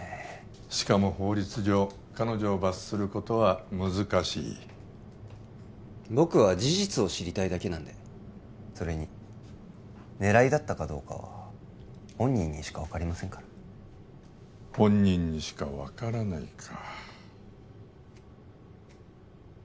しかも法律上彼女を罰することは難しい僕は事実を知りたいだけなんでそれに狙いだったかどうかは本人にしか分かりませんから本人にしか分からないか